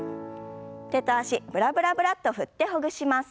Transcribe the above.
手と脚ブラブラブラッと振ってほぐします。